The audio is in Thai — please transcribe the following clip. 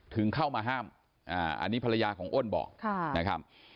ถึงเข้ามาห้ามอันนี้ภรรยาของอ้นบอก